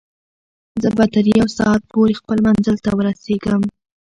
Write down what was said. زه به تر یو ساعت پورې خپل منزل ته ورسېږم.